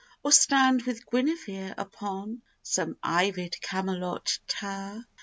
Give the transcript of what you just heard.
Or stand with Guinevere upon Some ivied Camelot tower?